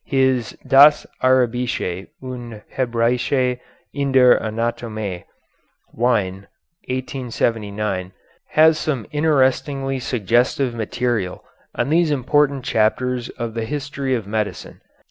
His "Das Arabische und Hebräische in der Anatomie" (Wien, 1879) has some interestingly suggestive material on these important chapters of the history of medicine.